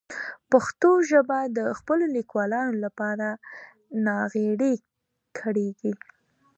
پښتو ژبه د خپلو لیکوالانو له ناغېړۍ کړېږي.